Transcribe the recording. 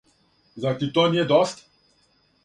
Зар ти то није доста?